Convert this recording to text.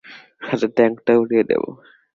সাথে ট্যাঙ্কটাও উড়িয়ে দেবো!